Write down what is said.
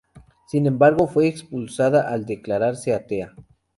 Sin embargo, fue expulsada al declararse atea.